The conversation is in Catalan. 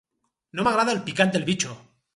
No m'agrada el picant del bitxo.